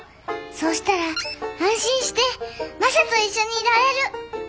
そうしたら安心してマサと一緒にいられる！